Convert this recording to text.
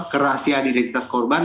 kerahasiaan identitas korban